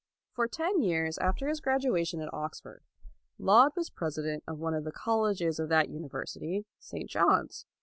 For ten years after his graduation at Oxford, Laud was president of one of the colleges of that university, St. John's.